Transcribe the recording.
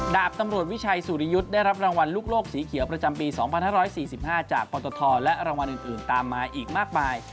ดาบตำรวจวิชัยสุริยุทธ์ได้รับรางวัลลูกโลกสีเขียวประจำปี๒๕๔๕จากปตทและรางวัลอื่นตามมาอีกมากมาย